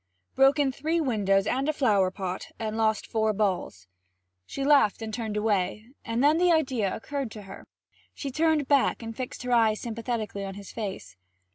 'Broken three windows and a flower pot and lost four balls.' She laughed and turned away; and then as an idea occurred to her, she turned back and fixed her eyes sympathetically on his face.